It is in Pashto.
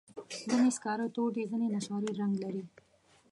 ځینې سکاره تور دي، ځینې نسواري رنګ لري.